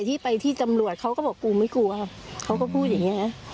ที่ไปที่ตำรวจเขาก็บอกกูไม่กลัวเขาก็พูดอย่างเงี้ฮะ